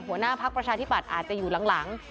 หัวหน้าพักประชาธิบัตย์อาจจะอยู่หลัง